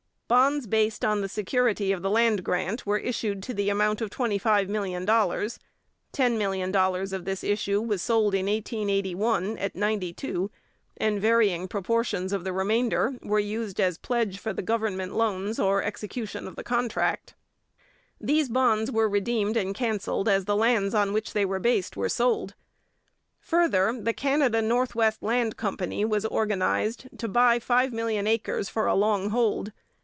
Bonds based on the security of the land grant were issued to the amount of $25,000,000; $10,000,000 of this issue was sold in 1881 at 92, and varying proportions of the remainder were used as pledge for the government loans or execution of the contract. These bonds were redeemed and cancelled as the lands on which they were based were sold. Further, the Canada North West Land Company was organized to buy five million acres for a long hold.